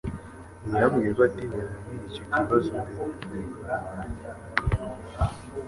yambwiye ko atigeze agira icyo kibazo mbere.